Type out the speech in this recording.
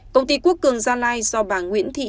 công ty quốc cường gia lai do bà nguyễn thị